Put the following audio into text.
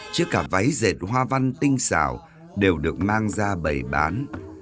chứ cả váy dệt hoa văn tinh xào đều được mang ra bày bán